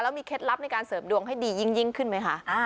แล้วมีเคล็ดลับในการเสริมดวงให้ดียิ่งยิ่งขึ้นไหมคะอ่า